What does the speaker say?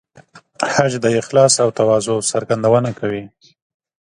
حج د اخلاص او تواضع څرګندونه کوي.